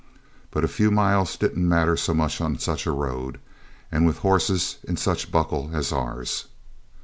But a few miles didn't matter much on such a road, and with horses in such buckle as ours.